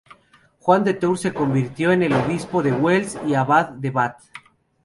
Juan de Tours se convirtió en el obispo de Wells y abad de Bath.